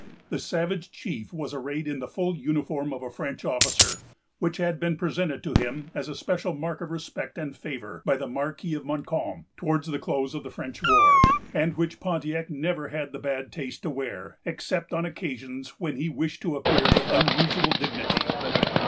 The savage chief was arrayed in the full uniform of a French officer, which had been presented to him as a special mark of respect and favor by the Marquis of Montcalm, towards the close of the French war, and which Pontiac never had the bad taste to wear, except on occasions when he wished to appear with unusual dignity.